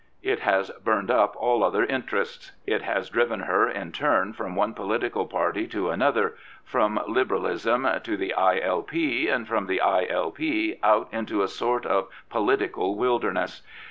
It has burned up all other interests. It has driven her in turn from one political party to another, from Liberalism to the I.L.P., and from the I.L.P. out into a sort of political wilderness.